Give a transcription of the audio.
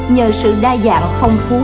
nhờ sự đa dạng phong phú